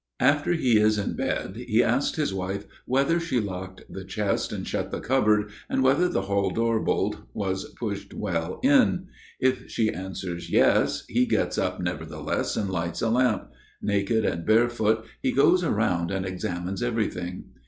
After he is in bed he asks his wife whether she locked the chest and shut the cupboard, and whether the hall door bolt was pushed well in. If she answers "Yes!" he gets up, nevertheless, and lights a lamp; naked and barefoot he goes around and examines everything.